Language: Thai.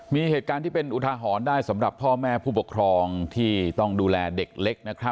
มีเหตุการณ์ที่เป็นอุทาหรณ์ได้สำหรับพ่อแม่ผู้ปกครองที่ต้องดูแลเด็กเล็ก